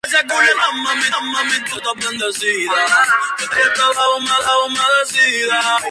Su apariencia es dominada por los poderosos miembros anteriores.